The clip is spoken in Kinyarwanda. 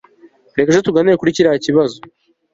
reka ejo tuganire kuri kiriya kibazo